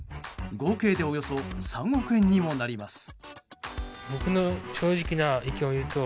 合計でおよそ３億円にもなります。